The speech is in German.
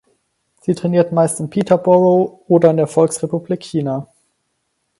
Sie trainiert meist in Peterborough oder in der Volksrepublik China.